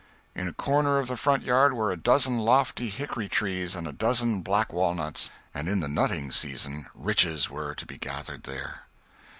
In a corner of the front yard were a dozen lofty hickory trees and a dozen black walnuts, and in the nutting season riches were to be gathered there.